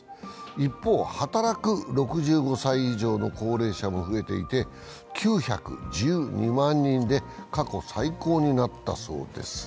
一方、働く６５歳以上の高齢者も増えていて、９１２万人で過去最高になったそうです。